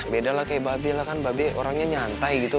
beda lah kayak babi lah kan babi orangnya nyantai gitu